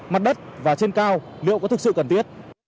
mặt đất và trên cao liệu có thực sự cần thiết